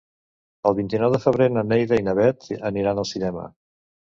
El vint-i-nou de febrer na Neida i na Bet aniran al cinema.